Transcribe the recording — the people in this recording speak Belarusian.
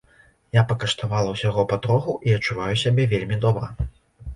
Я пакаштавала ўсяго патроху і адчуваю сябе вельмі добра.